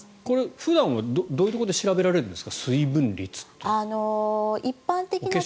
普段はどういうところで調べられるんですか？